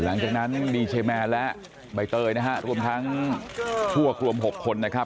หลังจากนั้นดีเจแมนและใบเตยนะฮะรวมทั้งชั่วรวม๖คนนะครับ